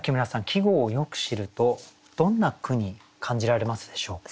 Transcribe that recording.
季語をよく知るとどんな句に感じられますでしょうか？